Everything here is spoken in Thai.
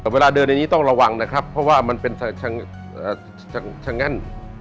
เวลาเดินในนี้ต้องระวังนะครับเพราะว่ามันเป็นชะงั่น